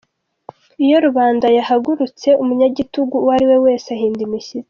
Iyo rubanda yahagurutse Umunyagitugu uwo ariwe wese ahinda imishyitsi.